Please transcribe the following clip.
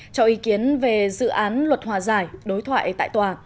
cho ý kiến về dự án luật hòa giải đối thoại tại tòa